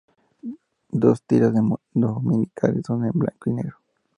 Las tiras dominicales son en blanco y negro.